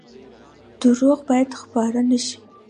دروغ باید خپاره نشي